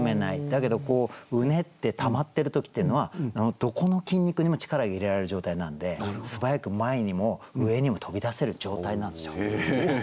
だけどうねってたまってる時っていうのはどこの筋肉にも力が入れられる状態なんで素早く前にも上にも飛び出せる状態なんですよ。